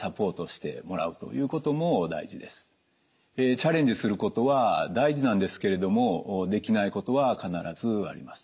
チャレンジすることは大事なんですけれどもできないことは必ずあります。